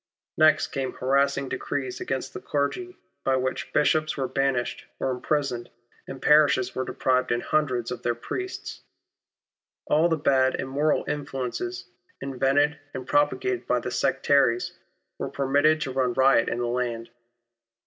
Next came harassing decrees against the clergy by which Bishops were banished or imprisoned and parishes were deprived in hundreds of their priests. All the bad, immoral influences, invented and propagated by the sectaries, were permitted to run riot in the land.